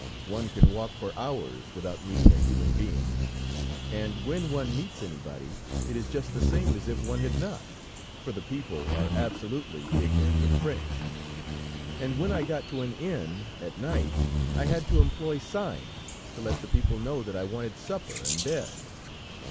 One can walk for hours without meeting a human being, and when one meets anybody, it is just the same as if one had not, for the people are absolutely ignorant of French, and when I got to an inn at night, I had to employ signs to let the people know that I wanted supper and bed.